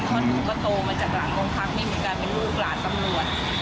พ่อหนูก็โตมาจากหลังตรงทั้งไม่มีการเป็นลูกหลานสำรวจ